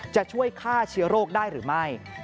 จะช่วยฆ่าเชื้อโรคได้หรือไม่